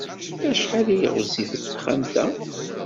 Acḥal ay ɣezzifet texxamt-a?